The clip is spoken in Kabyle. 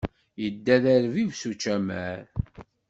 Yedda d arbib s učamar.